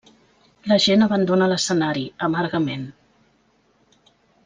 La gent abandona l’escenari, amargament.